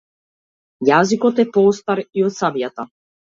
Јaзикoт е пoоcтap и oд caбjaтa.